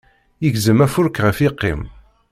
Igzem afurk ɣef iqqim.